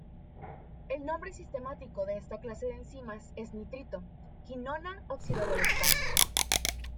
El nombre sistemático de esta clase de enzimas es nitrito:quinona oxidorreductasa.